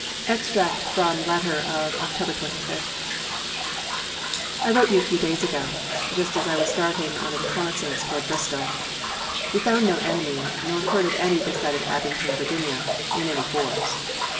Extract from letter of October 25: "I wrote you a few days ago, just as I was starting on a reconnoissance toward Bristol. We found no enemy nor heard of any this side of Abingdon, Virginia, in any force.